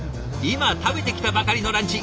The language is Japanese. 今食べてきたばかりのランチ